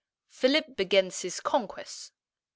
PHILIP BEGINS HIS CONQUESTS.